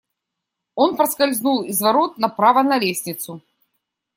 Он проскользнул из ворот направо на лестницу.